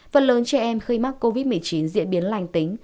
phần lớn trẻ em khi mắc covid một mươi chín diễn biến lành tính